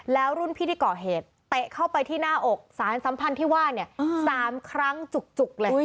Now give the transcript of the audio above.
แล้วรุ่นพี่ที่ก่อเหตุเตะเข้าไปที่หน้าอกสารสัมพันธ์ที่ว่าเนี่ย๓ครั้งจุกเลย